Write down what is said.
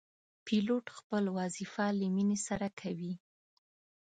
پیلوټ خپل وظیفه له مینې سره کوي.